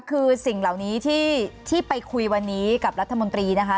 คือสิ่งเหล่านี้ที่ไปคุยวันนี้กับรัฐมนตรีนะคะ